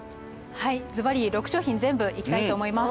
はいずばり６商品全部いきたいと思います。